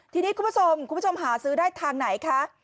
ทีนี้คุณผู้ชมคุณผู้ชมหาซื้อได้ทางไหนคะ